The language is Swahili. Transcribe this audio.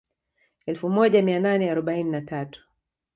Elfu moja mia nane arobaini na tatu